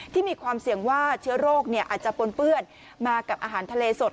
มีความเสี่ยงว่าเชื้อโรคอาจจะปนเปื้อนมากับอาหารทะเลสด